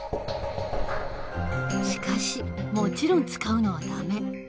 しかしもちろん使うのはダメ。